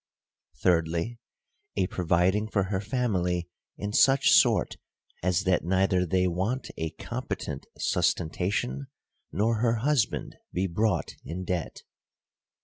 Thirdly, a provid ing for her family in such sort, as that neither they want a competent sustentation, nor her husband be brought in debt.